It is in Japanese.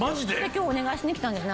今日お願いしに来たんです